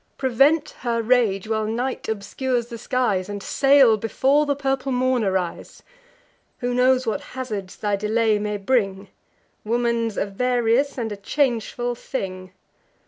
Prevent her rage, while night obscures the skies, And sail before the purple morn arise. Who knows what hazards thy delay may bring? Woman's a various and a changeful thing."